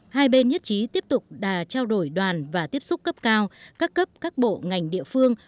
hai bên nhất trí tiếp tục đã trao đổi đoàn và tiếp xúc cấp cao các cấp các bộ ngành địa phương